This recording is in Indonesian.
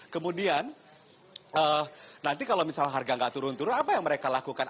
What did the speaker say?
kemudian nanti kalau misalnya harga nggak turun turun apa yang mereka lakukan